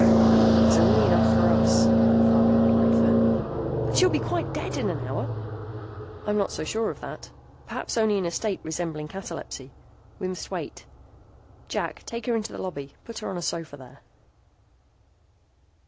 "There's only enough for us," her father replied firmly. "But she'll be quite dead in an hour!" "I'm not so sure of that. Perhaps only in a state resembling catalepsy. We must wait. Jack, take her into the lobby. Put her on a sofa there."